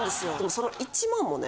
その１万もね